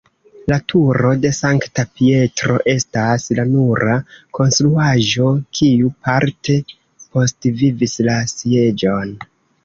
La turo de Sankta Pietro estas la nura konstruaĵo kiu parte postvivis la Sieĝon.